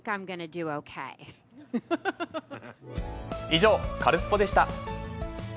以上、カルスポっ！でした。